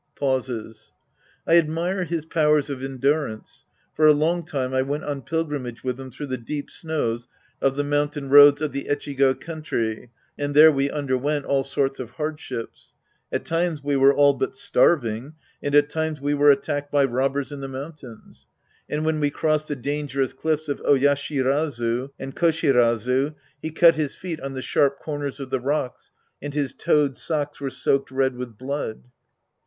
{Pauses.) I admire his powers of endurance. For a long time I went on pilgrimage with him through the deep snows of the mountain roads of the Echigo country, and there we underwent all sorts of hardships. At times we were all but starving and at times we were attack ed by robbers in the mountains. And when we crossed the dangerous cliffs of Oyashirazu and Ko shirazu, he cut his feet on the sharp corners o^ the rocks and his toed socks were soaked red with blood.